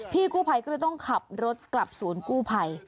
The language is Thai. พี่กู้ภัยก็เลยต้องขับรถกลับศูนย์กู้ภัย